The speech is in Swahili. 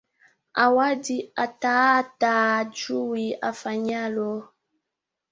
Awadhi ataataa hajui afanyalo